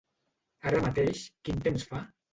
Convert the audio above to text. Ara mateix quin temps fa?